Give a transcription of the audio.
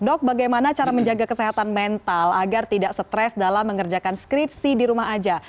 dok bagaimana cara menjaga kesehatan mental agar tidak stres dalam mengerjakan skripsi di rumah aja